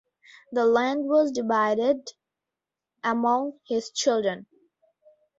The land was divided among his children.